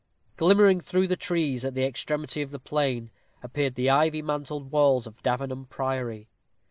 Glimmering through the trees, at the extremity of the plain, appeared the ivy mantled walls of Davenham Priory.